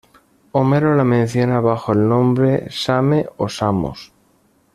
Homero la menciona bajo el nombre Same o Samos.